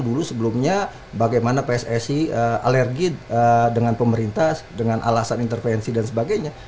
dulu sebelumnya bagaimana pssi alergi dengan pemerintah dengan alasan intervensi dan sebagainya